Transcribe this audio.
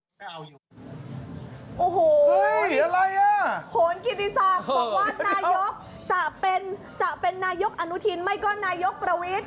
โอ้โหอะไรอ่ะโผล่นพิธีศาสตร์บอกว่านายกจะเป็นนายกอันุธินไม่ก็นายกประวิท